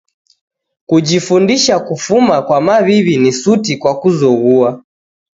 Kujifundisha kufuma kwa maw'iw'i ni suti kwa kuzoghua.